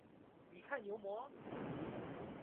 你看牛魔？